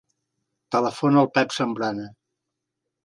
Telefona al Pep Zambrana.